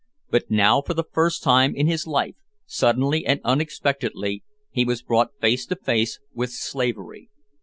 But now, for the first time in his life, suddenly and unexpectedly, he was brought face to face with slavery.